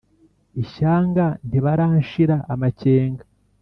Ishyanga ntibaranshira amakenga,